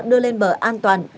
đưa lên bờ an toàn